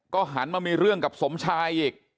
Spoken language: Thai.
หันมามีเรื่องกับสมชายอีก